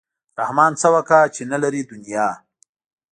رحمان څه وکا چې نه لري دنیا.